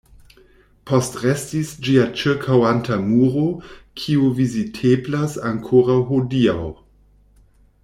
Postrestis ĝia ĉirkaŭanta muro, kiu viziteblas ankoraŭ hodiaŭ.